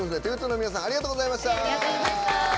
’２２の皆さんありがとうございました。